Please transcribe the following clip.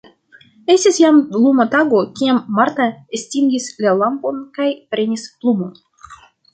Estis jam luma tago, kiam Marta estingis la lampon kaj prenis plumon.